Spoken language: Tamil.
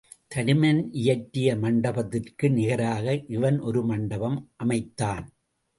தருமன் இயற்றிய மண்டபத்திற்கு நிகராக இவன் ஒரு மண்டபம் அமைத்தான்.